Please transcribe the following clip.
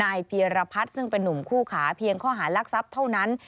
เพียรพัฒน์ซึ่งเป็นนุ่มคู่ขาเพียงข้อหารักทรัพย์เท่านั้น